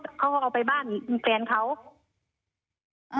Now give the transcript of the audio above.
ทีนี้ก็เอาไปเอาไปถ่ายบ้านพี่ชายเขาแล้วทีนี้